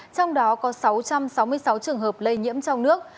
trong đó có sáu trăm sáu mươi sáu trường hợp lây nhiễm trong nước